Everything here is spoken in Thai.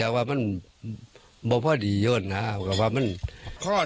และฝังสำคัญมากด้วยสุขภารกิจ